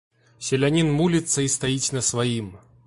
Селянін муліцца і стаіць на сваім.